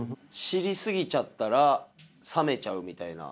知り過ぎちゃったら冷めちゃうみたいな。